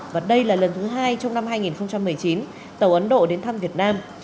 và đây là lần thứ hai trong năm hai nghìn một mươi chín tàu ấn độ đến thăm việt nam